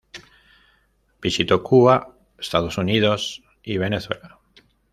Visitó Cuba, Estados Unidos y Venezuela.